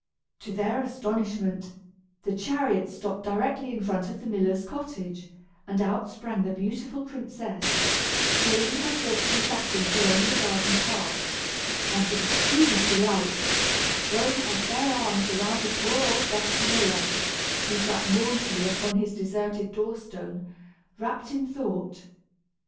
To their astonishment, the chariot stopped directly in front of the miller's cottage, and out sprang the beautiful princess, trailing her silks and satins along the garden path, and, with a scream of delight, throwing her fair arms around the poor old dusty miller, who sat mournfully upon his deserted door stone, rapt in thought.